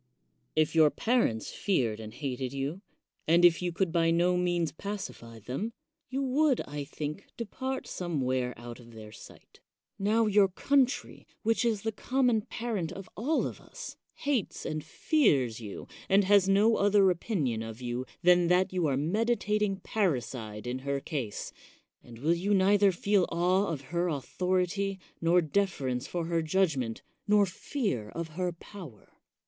If your parents feared and hated you, and if you could by no means pacify them, you would, I think, depart somewhere out of their sight. Noyr, your country, which is the common parent of all of us, hates and fears you, 103 THE WORLD'S FAMOUS ORATIONS and has no other opinion of you, than that you are meditating parricide in her case; and will you neither feel awe of her authority, nor defer ence for her judgment, nor fear of her power